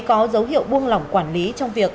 có dấu hiệu buôn lỏng quản lý trong việc